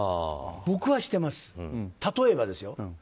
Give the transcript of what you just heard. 僕はしてます、例えばですよ。